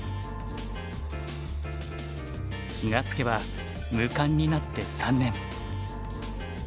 気が付けば無冠になって３年。